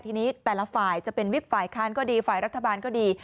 ทีนี้แต่ละฝ่ายจะเป็นวิบฝ่ายค้านก็ดีฝ่ายรัฐบาลก็ดี